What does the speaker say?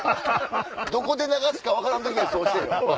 どこで流すか分からん時はそうしてよ。